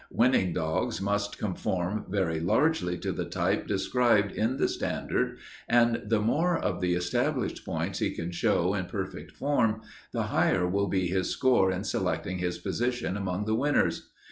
Winning dogs must conform very largely to the type described in the standard, and the more of the established points he can show in perfect form, the higher will be his score in selecting his position among the winners.